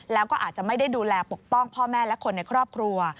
แล้วก็อาจจะไม่ได้ดูแลปกป้องพ่อแม่และคนในครอบครัว